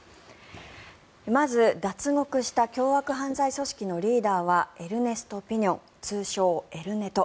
まず、脱獄した凶悪犯罪組織のリーダーはエルネスト・ピニョン通称エル・ネト。